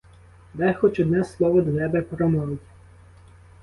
Дай хоч одне слово до тебе промовить!